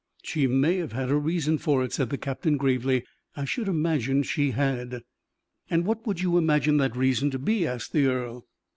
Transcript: "She may have had a reason for it," said the captain, gravely. "I should imagine she had." "And what would you imagine that reason to be?" asked the earl.